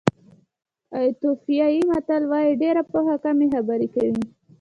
ایتیوپیایي متل وایي ډېره پوهه کمې خبرې کوي.